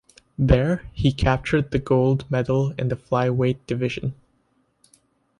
There he captured the gold medal in the flyweight division.